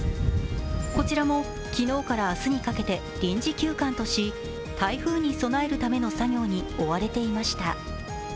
こちらも昨日から明日にかけて臨時休館とし、台風に備えるための作業に追われていました。